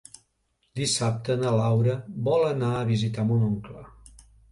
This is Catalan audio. Dissabte na Laura vol anar a visitar mon oncle.